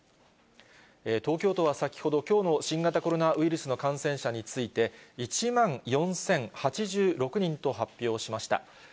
東京都は先ほど、きょうの新型コロナウイルスの感染者について、１万４０８６人と発表しました。